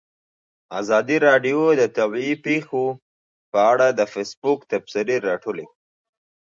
ازادي راډیو د طبیعي پېښې په اړه د فیسبوک تبصرې راټولې کړي.